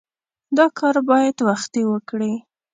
دا کار باید وختي وکړې.